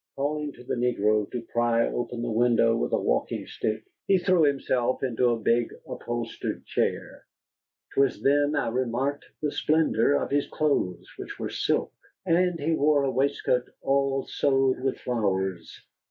Calling to the negro to pry open the window with a walking stick, he threw himself into a big, upholstered chair. 'Twas then I remarked the splendor of his clothes, which were silk. And he wore a waistcoat all sewed with flowers.